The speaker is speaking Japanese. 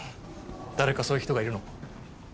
誰かそういう人がいるの？